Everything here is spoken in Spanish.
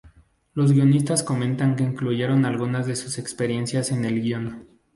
Los guionistas comentan que incluyeron algunas de sus experiencias en el guion.